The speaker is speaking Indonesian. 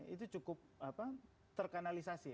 itu cukup terkanalisasi